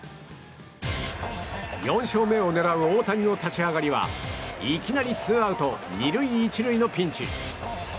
４勝目を狙う大谷の立ち上がりはいきなりツーアウト２塁１塁のピンチ。